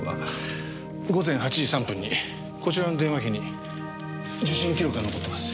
午前８時３分にこちらの電話機に受信記録が残ってます。